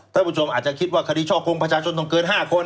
ท่านผู้ชมอาจจะคิดว่าคดีช่อกงประชาชนต้องเกิน๕คน